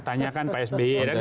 tanyakan pak s b